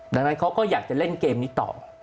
ดังนั้นเขาก็อยากจะเล่นเกมนี้ต่อ